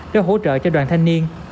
để hỗ trợ cho đoàn thanh niên